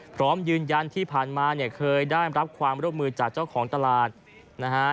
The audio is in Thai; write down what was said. พร้อมยืนยันที่ผ่านมาเนี่ยเคยได้รับความร่วมมือจากเจ้าของตลาดนะฮะ